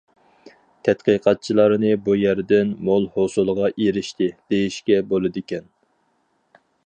تەتقىقاتچىلارنى بۇ يەردىن «مول ھوسۇلغا ئېرىشتى» دېيىشكە بولىدىكەن.